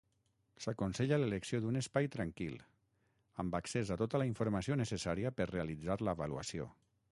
S’aconsella l'elecció d’un espai tranquil, amb accés a tota la informació necessària per realitzar l'avaluació.